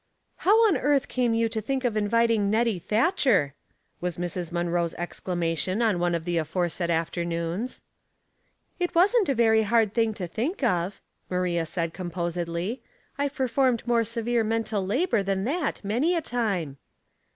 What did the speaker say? " How on earth came you to think of inviting Nettie Thatcher ?" was Mrs. Munroe"s exclama tion on one of the aforesaid afternoons. " It wasn't a very hard thing to think of,' Maria said, composedly. '' I've performed more severe mental labor than that many a time."